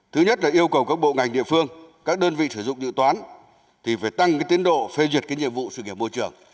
thứ nhất là yêu cầu các bộ ngành địa phương các đơn vị sử dụng dự toán thì phải tăng cái tiến độ phê duyệt cái nhiệm vụ sự nghiệp môi trường